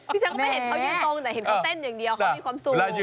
ฉันก็ไม่เห็นเขายืนตรงแต่เห็นเขาเต้นอย่างเดียวเขามีความสุข